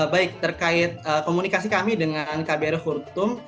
baik terkait komunikasi kami dengan kbri khartum